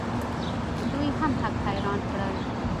دوی هم هک حیران کړل.